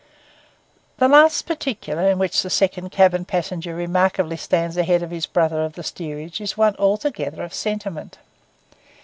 The last particular in which the second cabin passenger remarkably stands ahead of his brother of the steerage is one altogether of sentiment.